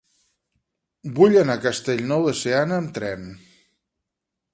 Vull anar a Castellnou de Seana amb tren.